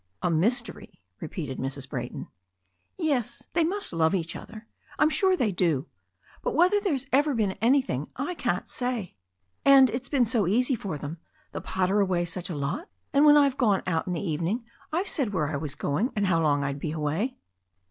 'A mystery!" repeated Mrs. Brayton. Yes. They must love each other. I'm sure they do; but whether there's ever been anything I can't say. And it's been so easy for them — the pater away such a lot and when I have gone out in the evenings I've said where I was going and how long I'd be away."